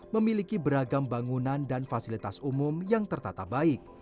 memiliki beragam bangunan dan fasilitas umum yang tertata baik